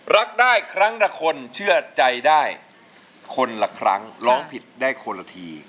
รักได้ครั้งละคนเชื่อใจได้คนละครั้งร้องผิดได้คนละที